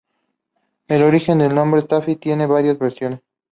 El origen del nombre Tafí tiene varias versiones.